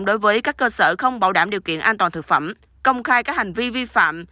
đối với các cơ sở không bảo đảm điều kiện an toàn thực phẩm công khai các hành vi vi phạm